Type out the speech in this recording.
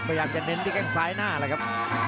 พยายามจะเน้นที่แข้งซ้ายหน้าแล้วครับ